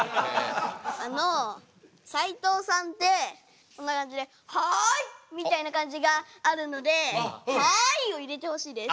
あの斉藤さんってこんな感じで「ハイ！」みたいな感じがあるので「ハイ！」を入れてほしいです。